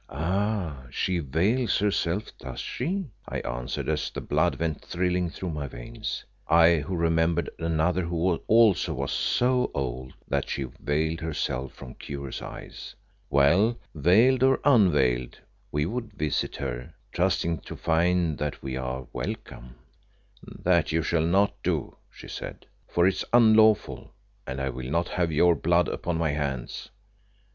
"Ah! she veils herself, does she?" I answered, as the blood went thrilling through my veins, I who remembered another who also was so old that she veiled herself from curious eyes. "Well, veiled or unveiled, we would visit her, trusting to find that we are welcome." "That you shall not do," she said, "for it is unlawful, and I will not have your blood upon my hands."